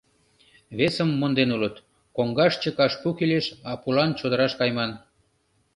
Весым монден улыт: коҥгаш чыкаш пу кӱлеш, а пулан чодыраш кайыман.